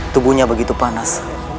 tubuhnya begitu panas